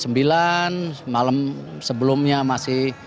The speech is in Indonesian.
malam sebelumnya masih